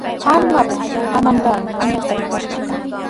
Qaqapa hanantrawmi añasta rikash kaa.